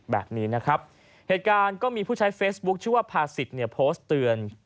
แบบนี้นะครับเหตุการณ์ก็มีผู้ใช้เฟซบุ๊คชื่อว่าภาษิตเนี่ยโพสต์เตือน